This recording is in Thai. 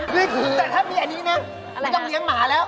นี่แต่ถ้ามีอันนี้นะต้องเลี้ยงหมาแล้ว